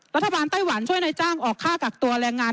รัฐบาลไต้หวันช่วยนายจ้างออกค่ากักตัวแรงงาน